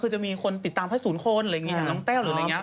คือจะมีคนติดตามแค่๐คนอย่างน้องแต้วหรืออะไรอย่างนี้